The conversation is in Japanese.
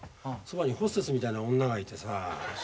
そばにホステスみたいな女がいてさ。